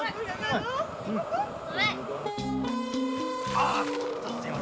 あちょっとすみませんね